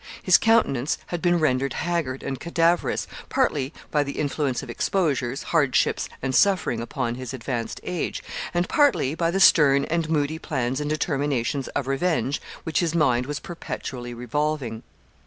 His countenance had been rendered haggard and cadaverous partly by the influence of exposures, hardships, and suffering upon his advanced age, and partly by the stern and moody plans and determinations of revenge which his mind was perpetually revolving.